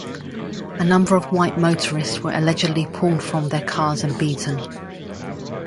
A number of white motorists were allegedly pulled from their cars and beaten.